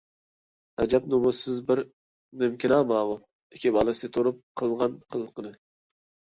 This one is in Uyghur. ئەجەب نومۇسسىز بىر نېمىكىنا ماۋۇ، ئىككى بالىسى تۇرۇپ قىلغان قىلىقىنى!